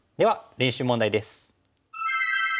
練習問題です。